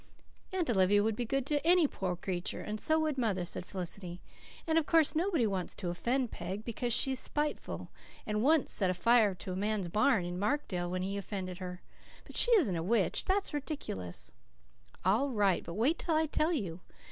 "Aunt Olivia would be good to any poor creature, and so would mother," said Felicity. "And of course nobody wants to offend Peg, because she is spiteful, and she once set fire to a man's barn in Markdale when he offended her. But she isn't a witch that's ridiculous." "All right. But wait till I tell you.